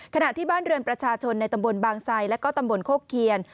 ขณะที่บ้านเรือนประชาชนในตำบลบางไซแล้วก็ตำบลโคกเคียน